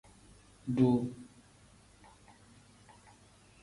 Duuu.